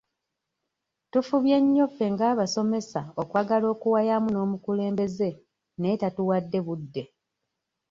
Tufubye nnyo ffe ng'abasomesa okwagala okuwayaamu n'omukulembeze naye tatuwadde budde.